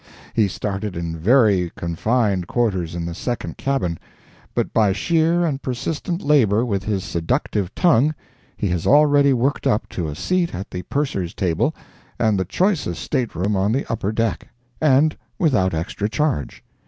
He started in very confined quarters in the second cabin, but by sheer and persistent labor with his seductive tongue he has already worked up to a seat at the Purser's table and the choicest state room on the upper deck—and without extra charge.